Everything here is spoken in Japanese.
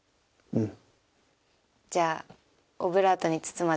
うん。